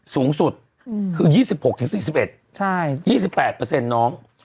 สูงสุดคือ๒๖ถึง๔๑ใช่๒๘เปอร์เซ็นต์น้อง